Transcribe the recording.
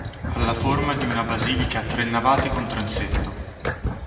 Ha la forma di una basilica a tre navate con transetto.